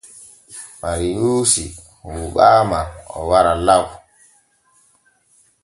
Mariyuusi huuɓaama o wara law.